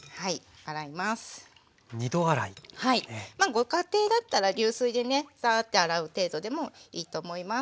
ご家庭だったら流水でねサーッて洗う程度でもいいと思います。